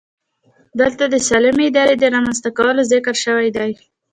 دلته د سالمې ادارې د رامنځته کولو ذکر شوی دی.